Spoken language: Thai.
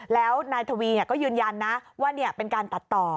แล้วนายทวีก็ยืนยันนะว่าเป็นการตัดต่อ